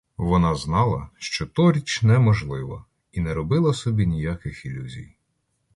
Вона знала, що то річ неможлива, і не робила собі ніяких ілюзій.